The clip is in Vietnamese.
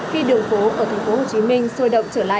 khi đường phố của tp hcm xôi động trở lại